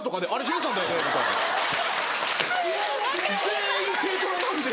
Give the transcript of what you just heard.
全員軽トラなんで。